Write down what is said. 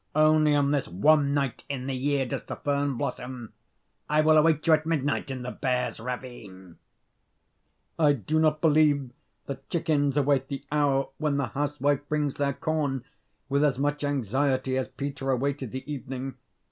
Only on this one night in the year does the fern blossom. I will await you at midnight in the Bear's ravine." I do not believe that chickens await the hour when the housewife brings their corn with as much anxiety as Peter awaited the evening.